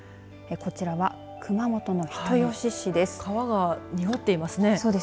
こちらは熊本の人吉市です。